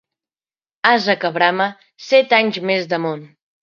Ase que brama, set anys més de món.